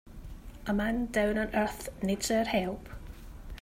A man down on earth needs our help.